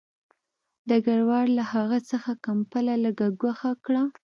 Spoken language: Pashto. ډګروال له هغه څخه کمپله لږ ګوښه کړه